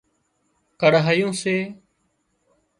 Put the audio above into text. ڪڙهايون سي